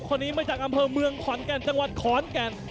คนนี้มาจากอำเภอเมืองขอนแก่นจังหวัดขอนแก่น